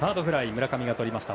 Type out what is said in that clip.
村上がとりました。